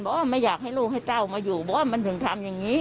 ว่าไม่อยากให้ลูกให้เต้ามาอยู่บอกว่ามันถึงทำอย่างนี้